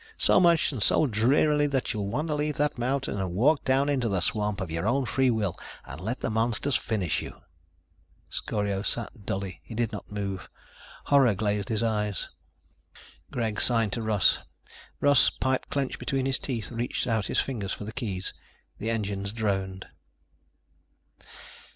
So much and so drearily that you'll want to leave that mountain and walk down into the swamp, of your own free will, and let the monsters finish you." Scorio sat dully. He did not move. Horror glazed his eyes. Greg signed to Russ. Russ, pipe clenched between his teeth, reached out his fingers for the keys. The engines droned.